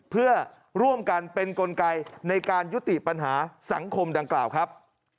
เพื่อร่วมกันเป็นกลไกในการยุติปัญหาสังคมดังกล่าวครับ